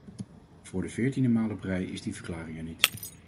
Voor de veertiende maal op rij is die verklaring er niet.